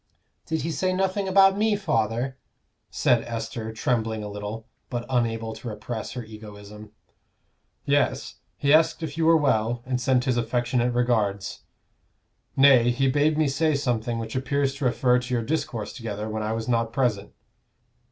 "Did he say nothing about me, father?" said Esther, trembling a little, but unable to repress her egoism. "Yes; he asked if you were well, and sent his affectionate regards. Nay, he bade me say something which appears to refer to your discourse together when I was not present.